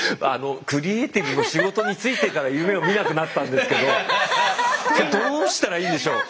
クリエーティブの仕事に就いてから夢を見なくなったんですけどこれどうしたらいいんでしょう。